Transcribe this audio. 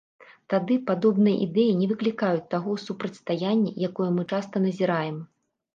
Тады падобныя ідэі не выклікаюць таго супрацьстаяння, якое мы часта назіраем.